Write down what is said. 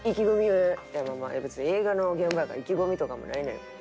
「別に映画の現場やから意気込みとかもないねん」。